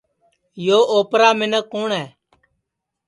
یو اوپرا منکھ کُوٹؔ ہے